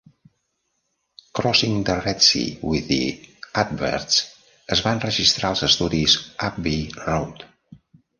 Crossing the Red Sea with the Adverts es va enregistrar als estudis Abbey Road.